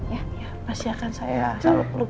ya pasti akan saya selalu perlu